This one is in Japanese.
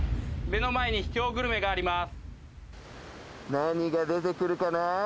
目の前に秘境グルメがあります。